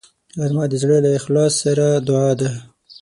غرمه د زړه له اخلاص سره دعا ده